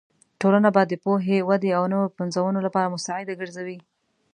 ټولنه به د پوهې، ودې او نوو پنځونو لپاره مستعده ګرځوې.